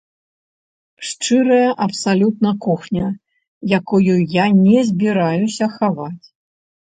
Шчырая абсалютна кухня, якую я не збіраюся хаваць.